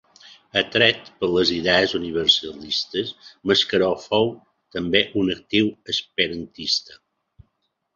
Atret per les idees universalistes, Mascaró fou també un actiu esperantista.